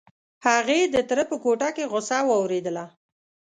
هغې د تره په کوټه کې غوسه واورېدله.